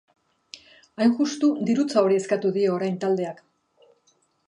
Hain justu, dirutza hori eskatu dio orain taldeak.